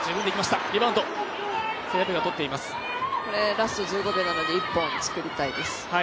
ラスト１５秒なので１本、作りたいです。